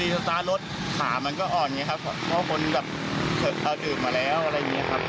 สตาร์ทรถขามันก็อ่อนไงครับเพราะคนแบบดื่มมาแล้วอะไรอย่างนี้ครับ